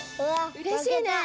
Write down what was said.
うれしい！